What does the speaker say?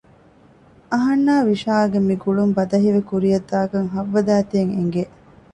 އަހަންނާ ވިޝާގެ މި ގުޅުން ބަދަހިވެ ކުރިޔަށްދާކަން ހައްވަ ދައިތައަށް އެނގެ